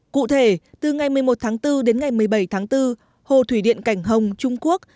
cụ thể từ ngày một mươi một tháng bốn đến ngày một mươi bảy tháng bốn hồ thủy điện cảnh hồng trung quốc